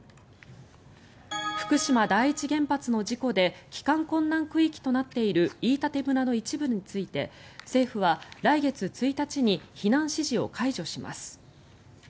福島第一原発の事故で帰還困難区域となっている飯舘村の一部について政府は来月１日に避難指示を解除します。